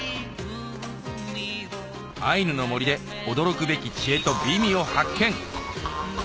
アイヌの森で驚くべき知恵と美味を発見